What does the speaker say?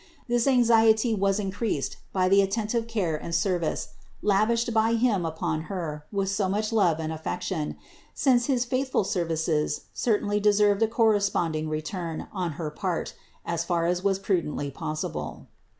This anxiety was increased by the attentive care and service, lavished by him upon Her with so much love and affec tion; since his faithful services certainly deserved a cor responding return on her part as far as was prudently possible.